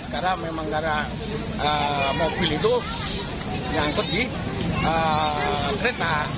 karena memang karena mobil itu diangkut di kereta